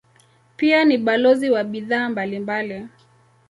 Pia ni balozi wa bidhaa mbalimbali.